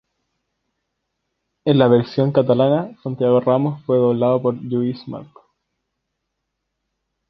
En la versión catalana Santiago Ramos fue doblado por Lluís Marco.